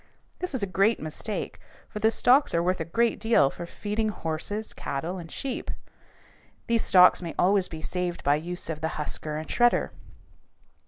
This is a great mistake, for the stalks are worth a good deal for feeding horses, cattle, and sheep. These stalks may always be saved by the use of the husker and shredder.